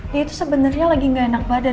ya itu sebenernya lagi gak enak badan